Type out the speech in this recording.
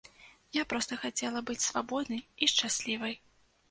Я проста хацела быць свабоднай і шчаслівай.